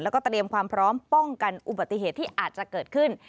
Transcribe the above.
แล้วก็เตรียมความพร้อมป้องกันอุบัติเหตุที่อาจจะเกิดขึ้น